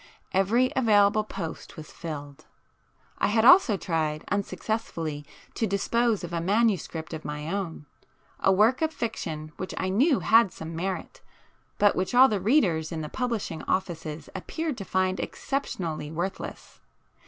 Every available post was filled. I had also tried, unsuccessfully, to dispose of a manuscript of my own,—a work of fiction which I knew had some merit, but which all the 'readers' in the publishing offices appeared to find exceptionally worthless.